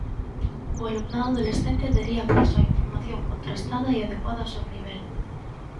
O alumnado adolescente tería acceso a información contrastada e adecuada ao seu nivel.